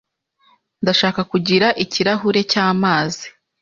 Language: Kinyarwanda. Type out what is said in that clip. Ndashaka kugira ikirahuri cyamazi.